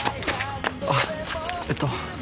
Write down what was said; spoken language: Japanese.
あっえっと